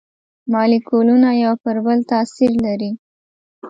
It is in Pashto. مالیکولونه یو پر بل تاثیر لري.